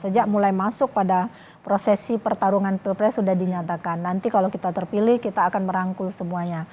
karena kita sudah mulai masuk pada prosesi pertarungan pilpres sudah dinyatakan nanti kalau kita terpilih kita akan merangkul semuanya